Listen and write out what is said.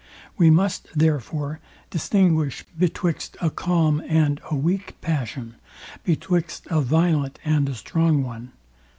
We must, therefore, distinguish betwixt a calm and a weak passion; betwixt a violent and a strong one.